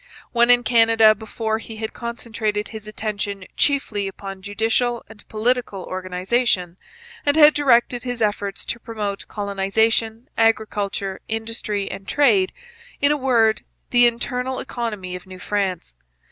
When in Canada before he had concentrated his attention chiefly upon judicial and political organization, and had directed his efforts to promote colonization, agriculture, industry, and trade in a word, the internal economy of New France.